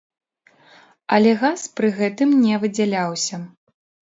Але газ пры гэтым не выдзяляўся.